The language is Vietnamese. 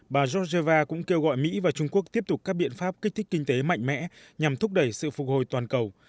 bà georgeva cũng kêu gọi mỹ và trung quốc tiếp tục các biện pháp kích thích kinh tế mạnh mẽ nhằm thúc đẩy sự phục hồi toàn cầu